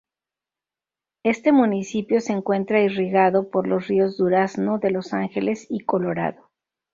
Este municipio se encuentra irrigado por los ríos Durazno, de Los Ángeles y Colorado.